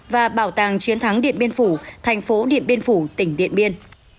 và bảo tàng chiến thắng điện biên phủ thành phố điện biên phủ tỉnh điện biên